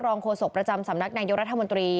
โฆษกประจำสำนักนายกรัฐมนตรี